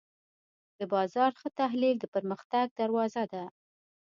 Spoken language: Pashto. د بازار ښه تحلیل د پرمختګ دروازه ده.